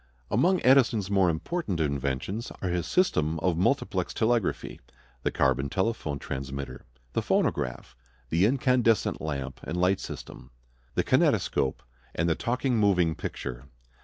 Among Edison's more important inventions are his system of multiplex telegraphy; the carbon telephone transmitter; the phonograph; the incandescent lamp and light system; the kinetoscope; and the talking moving picture.